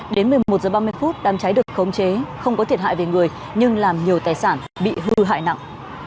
đến một mươi một h ba mươi đám cháy được khống chế không có thiệt hại về người nhưng làm nhiều tài sản bị hư hại nặng